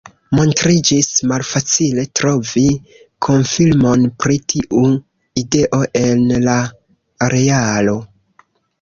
Montriĝis malfacile trovi konfirmon pri tiu ideo en la realo.